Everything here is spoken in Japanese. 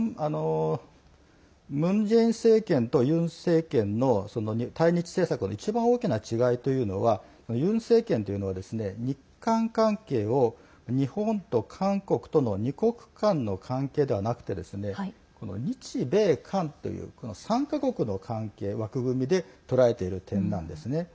ムン・ジェイン政権とユン政権の対日政策の一番大きな違いというのはユン政権というのは日韓関係を日本と韓国との２国間の関係ではなくてこの日米韓という３か国の関係枠組みでとらえている点なんです。